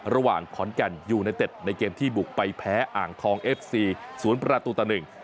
ระหว่างขอนแก่นยูไนเต็ดในเกมที่บุกไปแพ้อ่างทองเอฟซีศูนย์ประตูต่อหนึ่ง